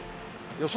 予想